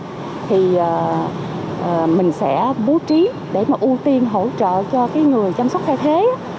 thì mình sẽ bố trí để ưu tiên hỗ trợ cho người chăm sóc thay thế